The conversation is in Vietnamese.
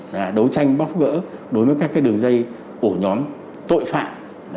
và đấu tranh bóc gỡ đối với các đường dây ổ nhóm tội phạm